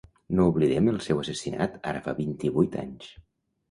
No oblidem el seu assassinat ara fa vint-i-vuit anys.